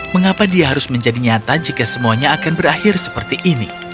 mengapa dia harus menjadi nyata jika semuanya akan berakhir seperti ini